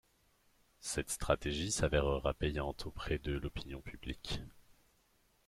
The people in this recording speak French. Cette stratégie s'avèrera payante auprès de l'opinion publique.